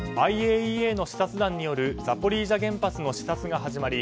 ＩＡＥＡの視察団によるザポリージャ原発の視察が始まり